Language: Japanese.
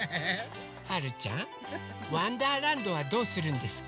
はるちゃん「わんだーらんど」はどうするんですか？